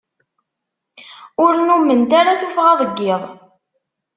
Ur nnument ara tuffɣa deg iḍ.